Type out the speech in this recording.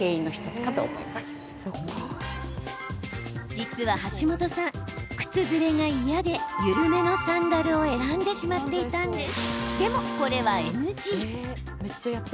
実は橋本さん靴ずれが嫌で、緩めのサンダルを選んでしまっていたんです。